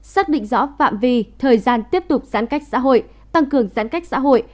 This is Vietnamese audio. xác định rõ phạm vi thời gian tiếp tục giãn cách xã hội tăng cường giãn cách xã hội